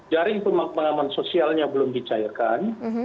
jaring pengaman sosialnya belum dicairkan